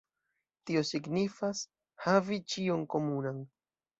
Tio signifas: havi ĉion komunan.